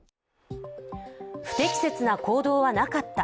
不適切な行動はなかった。